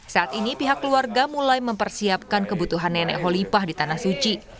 saat ini pihak keluarga mulai mempersiapkan kebutuhan nenek holipah di tanah suci